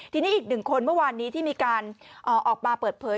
ทีนี้อีกหนึ่งคนเมื่อวานนี้ที่มีการออกมาเปิดเผย